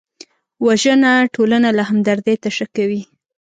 وژنه ټولنه له همدردۍ تشه کوي